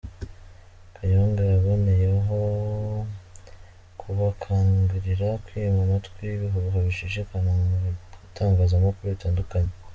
Kayonga yaboneyeho kubakangirira kwima amatwi ibihuha bicicikana mu bitangazamakuru bitandukanye.